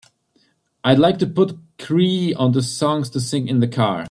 I'd like to put qriii onto songs to sing in the car.